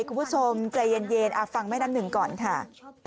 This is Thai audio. คุณผู้ชมใจเย็นฟังแม่น้ำหนึ่งก่อนค่ะ